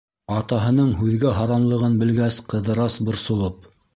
Атаһының һүҙгә һаранлығын белгәс Ҡыҙырас, борсолоп: